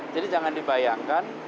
jadi jangan dibayangkan